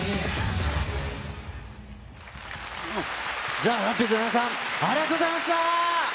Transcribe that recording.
ＴＨＥＲＡＭＰＡＧＥの皆さん、ありがとうございました。